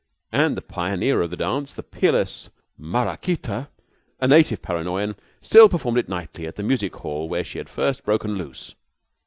And the pioneer of the dance, the peerless Maraquita, a native Paranoyan, still performed it nightly at the music hall where she had first broken loose.